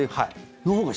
そのほうが。